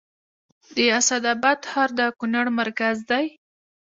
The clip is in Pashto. د اسعد اباد ښار د کونړ مرکز دی